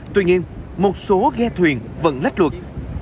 tuy nhiên một số ghe thuyền vẫn lách luật